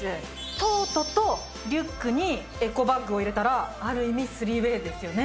トートとリュックにエコバッグを入れたらある意味３ＷＡＹですよね。